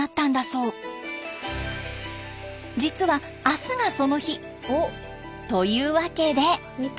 実は明日がその日というわけで。